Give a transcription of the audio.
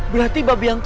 berarti babi yang tadi